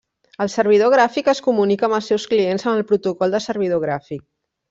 El servidor gràfic es comunica amb els seus clients amb el protocol de servidor gràfic.